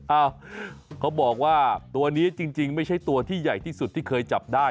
เขาบอกว่าตัวนี้จริงไม่ใช่ตัวที่ใหญ่ที่สุดที่เคยจับได้